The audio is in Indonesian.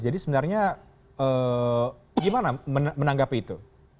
sebenarnya gimana menanggapi itu